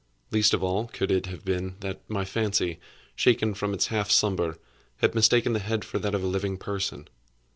Least of all, could it have been that my fancy, shaken from its half slumber, had mistaken the head for that of a living person.